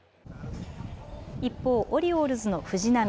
一方、オリオールズの藤浪。